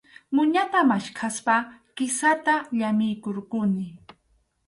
Muñata maskaspa kisata llamiykurquni.